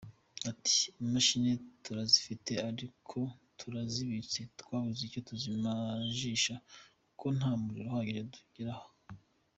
Ati ”Imashini turazifite ariko twarazibitse twabuze icyo tuzimarisha kuko nta muriro uhagije ugera aha.